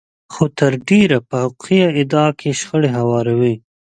خو تر ډېره په حقوقي ادعا کې شخړې هواروي.